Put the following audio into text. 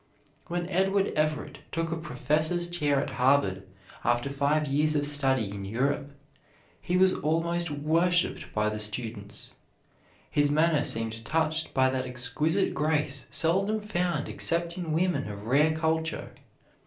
When Edward Everett took a professor's chair at Harvard after five years of study in Europe, he was almost worshiped by the students. His manner seemed touched by that exquisite grace seldom found except in women of rare culture.